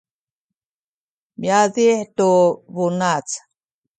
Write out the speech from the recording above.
miazih tu bunac